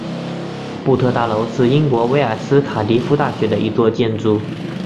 布特大楼是英国威尔斯卡迪夫大学的一座建筑。